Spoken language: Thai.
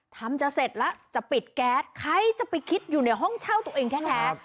ทำจะเสร็จแล้วจะปิดแก๊สใครจะไปคิดอยู่ในห้องเช่าตัวเองแท้